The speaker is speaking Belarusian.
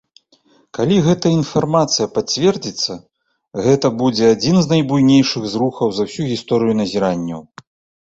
Калі гэтая інфармацыя пацвердзіцца, гэтае будзе адзін з найбуйнейшых зрухаў за ўсю гісторыю назіранняў.